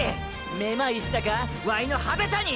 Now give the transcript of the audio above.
めまいしたかワイの派手さに！！